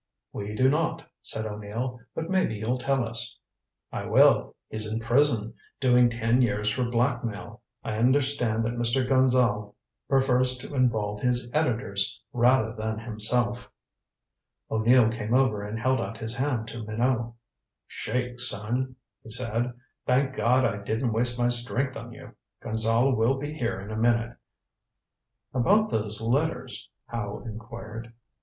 "We do not," said O'Neill, "but maybe you'll tell us." "I will. He's in prison, doing ten years for blackmail. I understand that Mr. Gonzale prefers to involve his editors, rather than himself." O'Neill came over and held out his hand to Minot. "Shake, son," he said. "Thank God I didn't waste my strength on you. Gonzale will be in here in a minute " "About those letters?" Howe inquired.